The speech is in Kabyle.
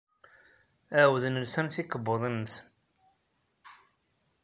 Ɛawden lsan tikebbuḍin-nsen.